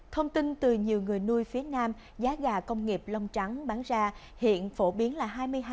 thông tin từ nhiều người nuôi phía nam giá gà công nghiệp lông trắng bán ra hiện phổ biến là